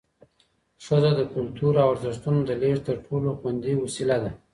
ښځه د کلتور او ارزښتونو د لېږد تر ټولو خوندي وسیله ده